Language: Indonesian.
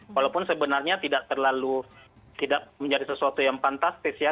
walaupun sebenarnya tidak terlalu tidak menjadi sesuatu yang fantastis ya